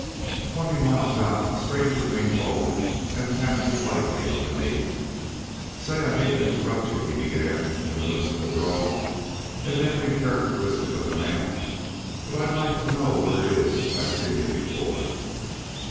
Twenty miles out, the stranger leaned forward and tapped him lightly on the knee. "Say, I hate to interrupt yuh," he began in a whimsical drawl, evidently characteristic of the man, "but I'd like to know where it is I've seen yuh before."